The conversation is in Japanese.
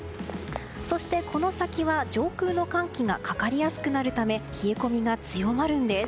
そして、この先は上空の寒気がかかりやすくなるため冷え込みが強まるんです。